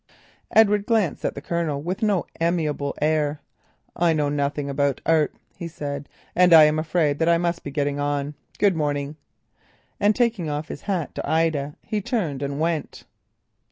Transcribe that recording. Edward glanced at the Colonel with no amiable air. "I know nothing about art," he said, "and I am afraid that I must be getting on. Good morning," and taking off his hat to Ida, he turned and went.